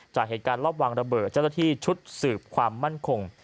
จากเหตุการณ์รอบวางระเบิดเจ้าหน้าที่ชุดสืบความมั่นคง